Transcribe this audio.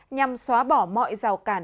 nhằm xóa bỏ mọi rào cản